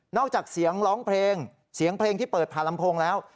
จากเสียงร้องเพลงเสียงเพลงที่เปิดผ่านลำโพงแล้ว